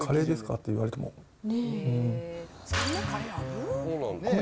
って言われても、うーん。